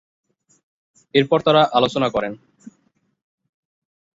এর পর তারা আলোচনা করেন।